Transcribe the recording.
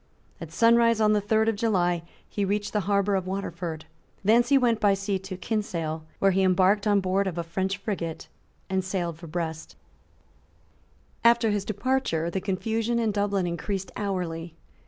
At sunrise on the third of July he reached the harbour of Waterford. Thence he went by sea to Kinsale, where he embarked on board of a French frigate, and sailed for Brest, After his departure the confusion in Dublin increased hourly.